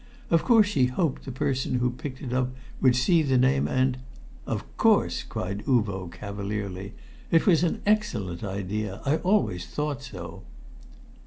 Of course she hoped the person who picked it up would see the name and " "Of course!" cried Uvo, cavalierly. "It was an excellent idea I always thought so."